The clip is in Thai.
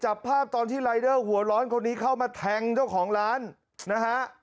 จับภาพตอนที่รายเดอร์หัวร้อนคนนี้เข้ามาแทงเจ้าของร้านนะฮะ